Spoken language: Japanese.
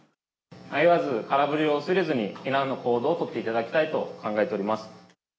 迷わず空振りを恐れずに、避難の行動を取っていただきたいと考えております。